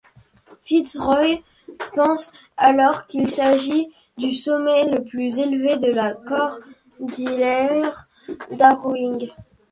FitzRoy pense alors qu’il s’agit du sommet le plus élevé de la cordillère Darwin.